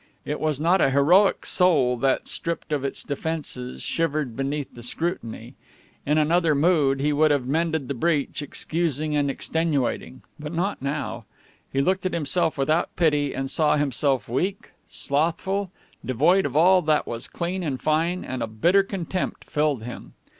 It was not a heroic soul that, stripped of its defenses, shivered beneath the scrutiny. In another mood he would have mended the breach, excusing and extenuating, but not now. He looked at himself without pity, and saw himself weak, slothful, devoid of all that was clean and fine, and a bitter contempt filled him.